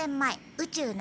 宇宙の。